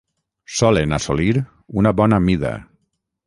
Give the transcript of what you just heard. Solen assolir una bona mida.